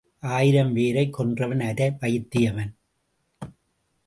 ஆயிரம் வேரைக் கொன்றவன் அரை வைத்தியன்.